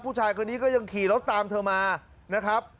ผู้ชายคนนี้ก็ยังขี่รถตามเธอมานะครับ